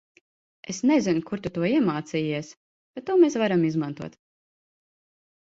Es nezinu kur tu to iemācījies, bet to mēs varam izmantot.